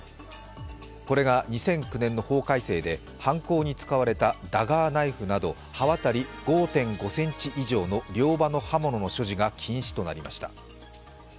これが２００９年の法改正で犯行に使われたダガーナイフなど刃渡り５．５ｃｍ以上の両刃の刃物の所持が禁止となりました。